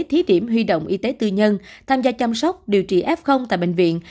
thí điểm huy động y tế tư nhân tham gia chăm sóc điều trị f tại bệnh viện